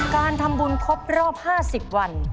การทำบุญครบรอบ๕๐วัน